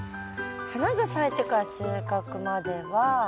花が咲いてから収穫まではえっと